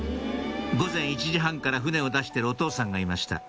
午前１時半から船を出してるお父さんがいました